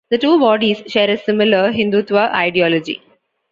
The two bodies share a similar Hindutva ideology.